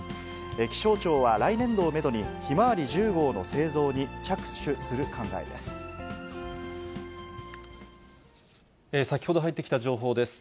気象庁は来年度をメドにひまわり１０号の製造に着手する考えです。